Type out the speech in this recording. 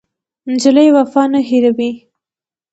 نجلۍ وفا نه هېروي.